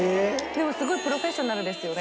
でもすごいプロフェッショナルですよね